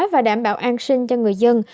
và đảm bảo an sinh cho người dân